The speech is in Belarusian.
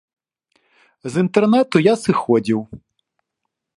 З інтэрнату я сыходзіў.